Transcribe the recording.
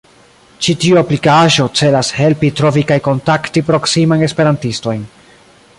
Ĉi tiu aplikaĵo celas helpi trovi kaj kontakti proksimajn esperantistojn.